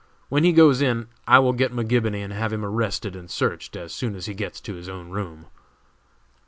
When he goes in I will get McGibony and have him arrested and searched as soon as he gets to his own room."